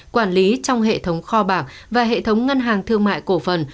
quản lý trong hệ thống kho bạc và hệ thống ngân hàng thương mại cổ phần